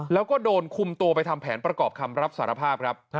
แล้วก็โดนคุมตัวไปทำแผนประกอบคำรับสารภาพครับ